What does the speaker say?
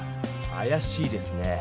あやしいですね。